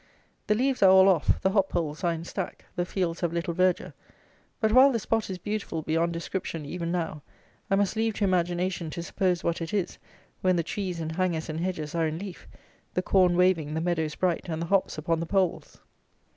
The leaves are all off, the hop poles are in stack, the fields have little verdure; but, while the spot is beautiful beyond description even now, I must leave to imagination to suppose what it is, when the trees and hangers and hedges are in leaf, the corn waving, the meadows bright, and the hops upon the poles!